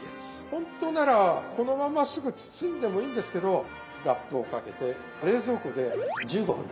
ほんとならこのまますぐ包んでもいいんですけどラップをかけて冷蔵庫で１５分。